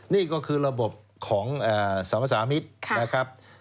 นี่ก็คือระบบของสรรพสามิตรนะครับ